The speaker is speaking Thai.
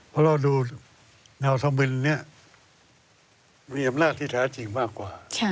เพราะเราดูแนวธมินเนี่ยมีอำนาจที่แท้จริงมากกว่า